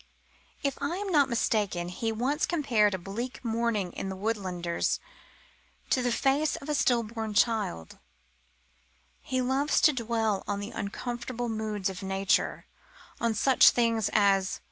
If I am not mistaken, he once compared a bleak morning in The Woodlanders to the face of a still born baby. He loves to dwell on the uncomfortable moods of nature on such things as